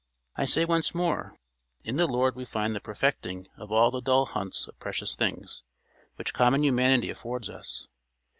I say once more, in the Lord we find the perfecting of all the dull hunts of precious things which common humanity affords us.